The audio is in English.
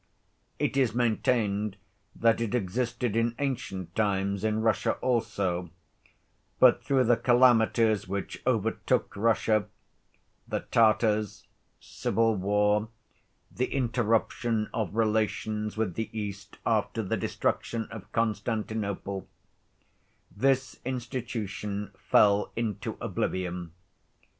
It is maintained that it existed in ancient times in Russia also, but through the calamities which overtook Russia—the Tartars, civil war, the interruption of relations with the East after the destruction of Constantinople—this institution fell into oblivion.